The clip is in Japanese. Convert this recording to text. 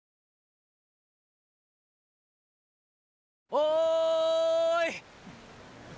おい！